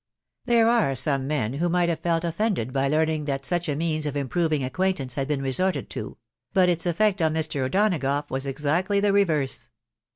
There are some men. who might have felt offended by learning that such a means of improving acquaintance had been resorted to; but its effect on Mr. O'Donagough was exactly the reverse.